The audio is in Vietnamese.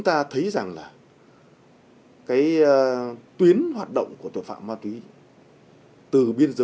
mết in tăng giáp vàng